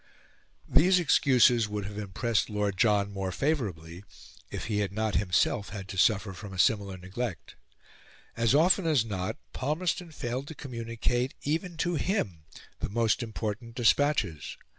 These excuses would have impressed Lord John more favourably if he had not himself had to suffer from a similar neglect. As often as not Palmerston failed to communicate even to him the most important despatches.